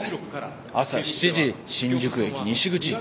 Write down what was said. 朝７時新宿駅西口。